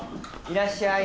いらっしゃい。